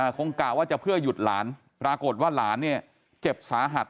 กะว่าจะเพื่อหยุดหลานปรากฏว่าหลานเนี่ยเจ็บสาหัส